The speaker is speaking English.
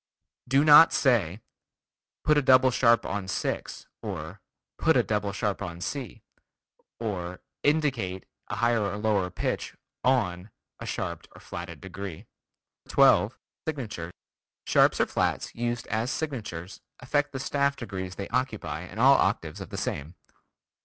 Do not say: "Put a double sharp on 6" or "put a double sharp on C," or "indicate" a higher or lower pitch "on" a sharped or flatted degree. 12. Signature: Sharps or flats used as signatures affect the staff degrees they occupy and all octaves of the same.